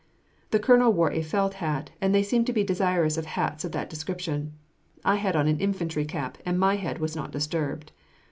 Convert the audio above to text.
The colonel wore a felt hat, and they seemed to be desirous of hats of that description. I had on an infantry cap, and my head was not disturbed.